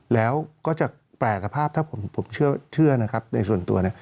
แล้วก็จะแปรสภาพถ้าผมเชื่อนะครับในส่วนตัวเนี่ย